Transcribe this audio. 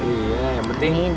iya yang penting